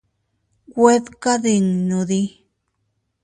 Güed kadinnudi.